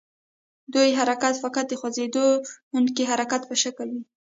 د دوی حرکت فقط د خوځیدونکي حرکت په شکل وي.